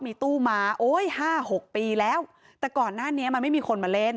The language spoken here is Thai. มีตู้มาโอ้ยห้าหกปีแล้วแต่ก่อนหน้านี้มันไม่มีคนมาเล่น